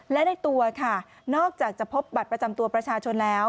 และในตัวค่ะนอกจากจะพบบัตรประจำตัวประชาชนแล้ว